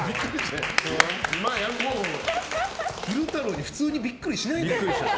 昼太郎に普通にビックリしないで。